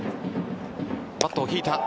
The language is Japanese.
バットを引いた。